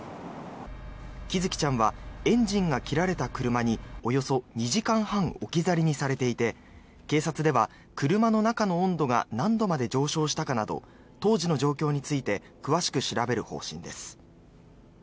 喜寿生ちゃんはエンジンが切られた車におよそ２時間半置き去りにされていて警察では車の中の温度が何度まで上昇したかなど当時の状況について詳しく調べる方針です。